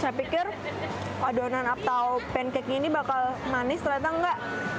saya pikir adonan atau pancake nya ini bakal manis ternyata enggak